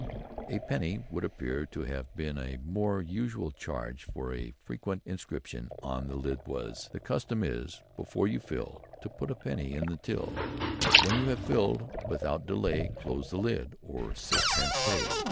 A penny would appear to have been a more usual charge, for a frequent inscription on the lid was: _The custom is, before you fill, To put a penny in the till; When you have filled, without delay Close the lid, or sixpence pay.